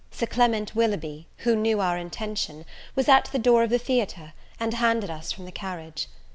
Sir Clement Willoughby, who knew our intention, was at the door of the theatre, and handed us from the carriage.